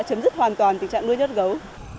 chấm dứt hoàn toàn tình trạng nuôi nhốt gấu